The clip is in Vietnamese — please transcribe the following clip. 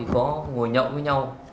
có ngồi nhậu với nhau